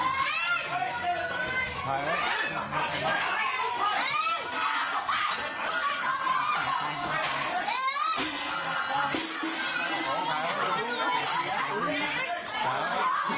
น้ำมาก่อนน้ำมาก่อนนี้